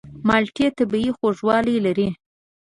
مالټې طبیعي خوږوالی لري.